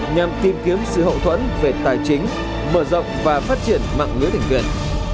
nhằm tìm kiếm sự hậu thuẫn về tài chính mở rộng và phát triển mạng ngưới thỉnh quyền